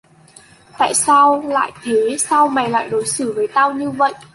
Tại sao lại thế Sao mày lại đối xử với tao như vậy